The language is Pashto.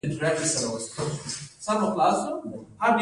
ایا زه باید ولیکم؟